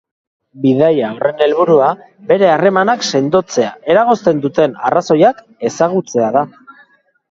Bidaia horren helburua bere harremanak sendotzea eragozten duten arrazoiak ezagutzea da.